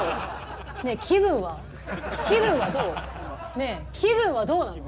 ねえ気分はどうなの？